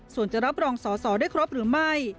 ส่วนจะรับรองสอสอได้ครบหรือไม่